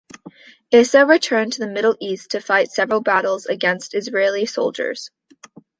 Issa returned to the Middle East to fight several battles against Israeli soldiers.